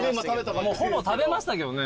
もうほぼ食べましたけどね。